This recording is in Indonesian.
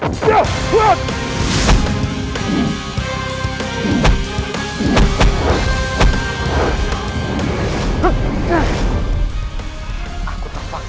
kau akan menghajar standarnya